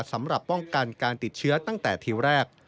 สำหรับป้องกันการติดเชื้อตั้งแต่ทีแรก